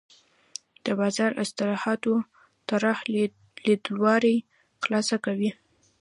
د بازار اصلاحاتو طراح لیدلوری خلاصه کوي.